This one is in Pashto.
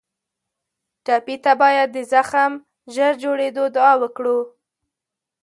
ټپي ته باید د زخم ژر جوړېدو دعا وکړو.